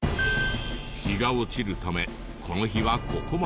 日が落ちるためこの日はここまで。